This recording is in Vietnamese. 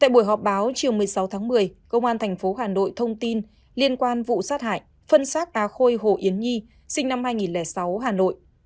tại buổi họp báo chiều một mươi sáu tháng một mươi công an thành phố hà nội thông tin liên quan vụ sát hại phân xác á khôi hồ yến nhi sinh năm hai nghìn sáu hà nội